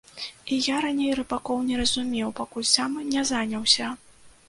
І я раней рыбакоў не разумеў, пакуль сам не заняўся.